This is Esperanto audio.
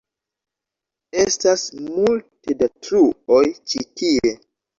Estas multe da truoj ĉi tie.